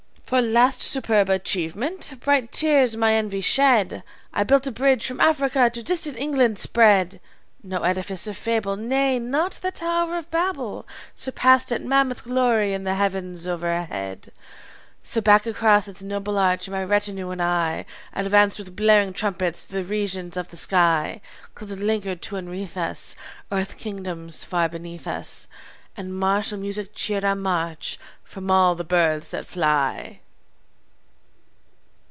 "For last superb achievement, bright tears may Envy shed! I built a bridge, from Africa to distant England spread. No edifice of fable, Nay, not the Tower of Babel, Surpassed it mammoth glory in the heavens overhead. "So back across its noble arch my retinue and I Advanced with blaring trumpets through the regions of the sky. Clouds lingered to enwreathe us, Earth's kingdoms far beneath us, And martial music cheered our march from all the birds that fly."